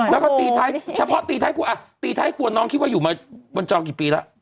แล้วก็ตีไทยคู่น้องคิดว่าอยู่มาบนจอกี่ปีล่ะ